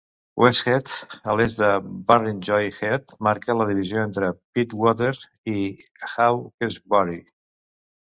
West Head, a l'est de Barrenjoey Head, marca la divisió entre Pittwater i Hawkesbury.